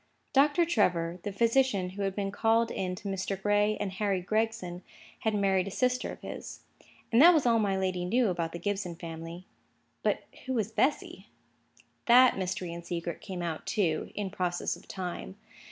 Doctor Trevor, the physician who had been called in to Mr. Gray and Harry Gregson, had married a sister of his. And that was all my lady knew about the Gibson family. But who was Bessy? That mystery and secret came out, too, in process of time.